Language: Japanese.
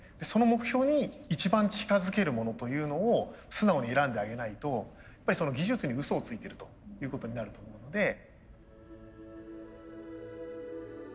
その目標に一番近づけるものというのを素直に選んであげないとやっぱり技術にうそをついてるということになると思うので。